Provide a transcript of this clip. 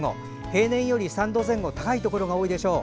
平年より３度前後高いところが多いでしょう。